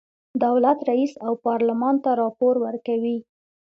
دولت رئیس او پارلمان ته راپور ورکوي.